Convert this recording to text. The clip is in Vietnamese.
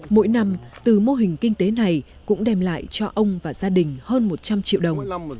mỗi năm từ mô hình kinh tế này cũng đem lại cho ông và gia đình hơn một trăm linh triệu đồng